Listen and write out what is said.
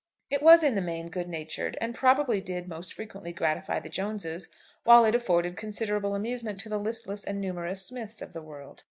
It was in the main good natured, and probably did most frequently gratify the Joneses, while it afforded considerable amusement to the listless and numerous Smiths of the world.